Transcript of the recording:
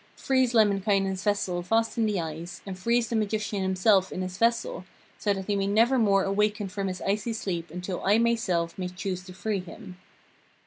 Freeze Lemminkainen's vessel fast in the ice, and freeze the magician himself in his vessel, so that he may never more awaken from his icy sleep until I myself may choose to free him.'